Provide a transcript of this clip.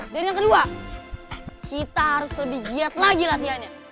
dan yang kedua kita harus lebih giat lagi latihannya